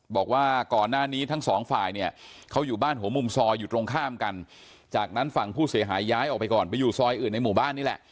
บอกว่าก่อนหน้านี้ทั้งสองฝ่ายเนี่ยเขาอยู่บ้านหัวมุมซอยอยู่ตรงข้ามกันจากนั้นฝั่งผู้เสียหายย้ายออกไปก่อนไปอยู่ซอยอื่นในหมู่บ้านนี่แหละ